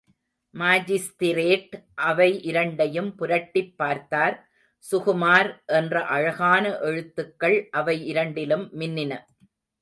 Magistrate அவை இரண்டையும் புரட்டிப் பார்த்தார் சுகுமார் என்ற அழகான எழுத்துக்கள் அவை இரண்டிலும் மின்னின.